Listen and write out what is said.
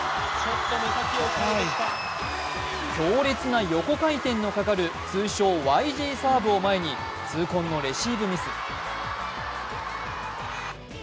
強烈な横回転のかかる通称、ＹＧサーブを前に痛恨のレシーブミス。